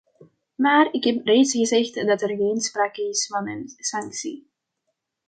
Maar ik heb reeds gezegd dat er geen sprake is van een sanctie.